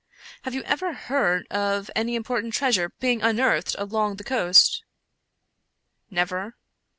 Have you ever heard of any important treasure being unearthed along the coast ?"" Never."